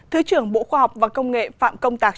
thứ trưởng bộ khoa học và công nghệ phạm công tạc